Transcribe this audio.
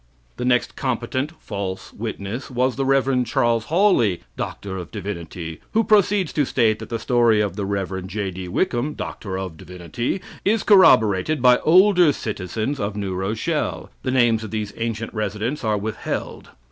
The next competent false witness was the Rev. Charles Hawley, D.D., who proceeds to state that the story of the Rev. J.D. Wickham, D. D., is corroborated by older citizens of New Rochelle. The names of these ancient residents are withheld.